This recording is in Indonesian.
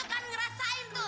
itu kan ngerasain tuh